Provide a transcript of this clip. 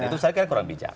itu saya kira kurang bijak